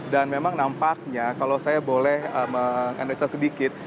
dan memang nampaknya kalau saya boleh menganalisa sedikit